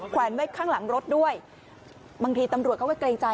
แวนไว้ข้างหลังรถด้วยบางทีตำรวจเขาก็เกรงใจ